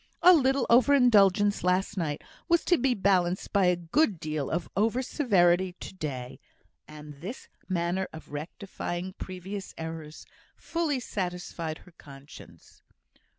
A little over indulgence last night was to be balanced by a good deal of over severity to day; and this manner of rectifying previous errors fully satisfied her conscience.